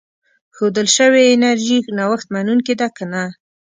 ښودل شوې انرژي نوښت منونکې ده که نه.